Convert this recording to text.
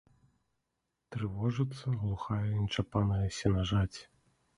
Трывожыцца глухая нечапаная сенажаць.